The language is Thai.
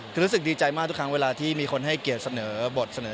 ก็รู้สึกดีใจมากทุกครั้งเวลาที่มีคนให้เกรียดเสนอบทมาให้